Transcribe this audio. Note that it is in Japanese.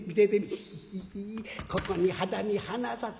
「ヒヒヒここに肌身離さず」。